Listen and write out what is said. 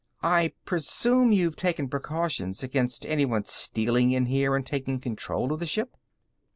"I presume you've taken precautions against anyone stealing in here and taking control of the ship."